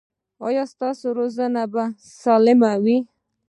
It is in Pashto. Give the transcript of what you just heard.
ایا ستاسو روزنه به سالمه وي؟